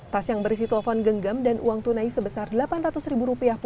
tas yang berisi telepon genggam dan uang tunai sebesar rp delapan ratus pun raib dan ditukar tas milik pelaku